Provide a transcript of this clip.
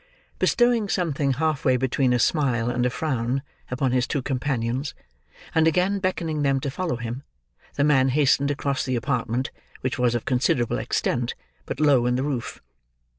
Bestowing something half way between a smile and a frown upon his two companions, and again beckoning them to follow him, the man hastened across the apartment, which was of considerable extent, but low in the roof.